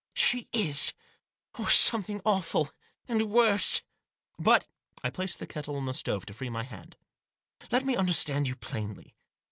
" She is !— or something awful — and worse !"" But "— I placed the kettle on the stove to free my hand — "let me understand you plainly.